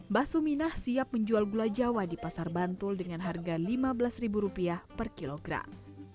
mbah suminah siap menjual gula jawa di pasar bantul dengan harga rp lima belas per kilogram